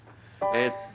えっと